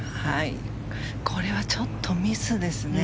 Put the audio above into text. これはちょっとミスですね。